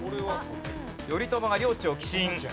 頼朝が領地を寄進。